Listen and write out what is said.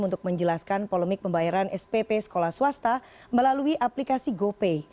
untuk menjelaskan polemik pembayaran spp sekolah swasta melalui aplikasi gopay